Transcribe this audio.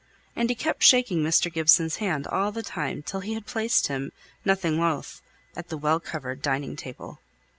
And he kept shaking Mr. Gibson's hand all the time till he had placed him, nothing loth, at the well covered dining table.